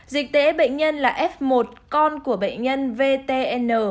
dịch tễ bệnh nhân là f một con của bệnh nhân vtn